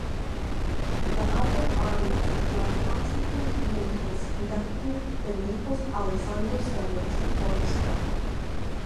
The other arias were of Constantine Callinicos conducting the Naples Allesandro Scarlotti Orchestra.